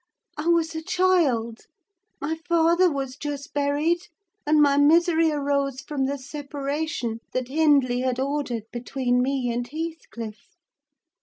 I was a child; my father was just buried, and my misery arose from the separation that Hindley had ordered between me and Heathcliff.